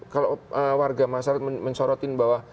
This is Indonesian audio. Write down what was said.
kalau warga masyarakat mensorotin bahwa